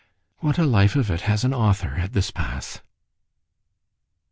——What a life of it has an author, at this pass!